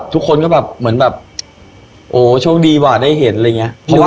ทุกคนก็เหมือนแบบโอ้ช่วงดีได้เห็นอะไรอย่างนี้